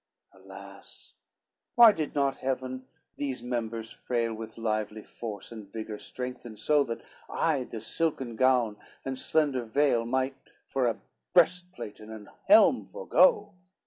LXXXIII "Alas, why did not Heaven these members frail With lively force and vigor strengthen so That I this silken gown and slender veil Might for a breastplate and an helm forego?